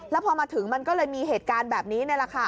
แล้วพอมาถึงมันก็เลยมีเหตุการณ์แบบนี้นี่แหละค่ะ